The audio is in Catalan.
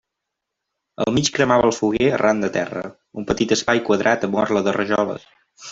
Al mig cremava el foguer arran de terra: un petit espai quadrat amb orla de rajoles.